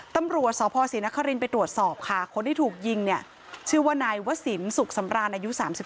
ตำรวจสพศรีนครินไปตรวจสอบค่ะคนที่ถูกยิงเนี่ยชื่อว่านายวศิลปสุขสำราญอายุ๓๒